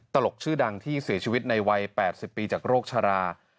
ตลกชื่อดังที่เสียชีวิตในวัย๘๐ปีจากโรคชรา